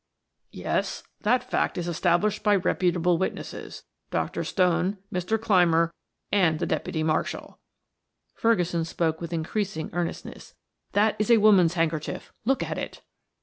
"Yes; that fact is established by reputable witnesses; Dr. Stone, Mr. Clymer, and the deputy marshal," Ferguson spoke with increasing earnestness. "That is a woman's handkerchief look at it."